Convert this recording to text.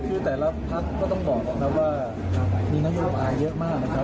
คือแต่ละพักก็ต้องบอกนะครับว่ามีนโยบายเยอะมากนะครับ